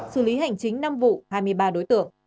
xử lý hành chính năm vụ hai mươi ba đối tượng